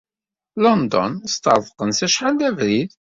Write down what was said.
London sṭerḍqen-tt acḥal d abrid.